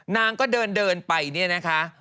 นางก็เดินไปเนี่ยนะคะ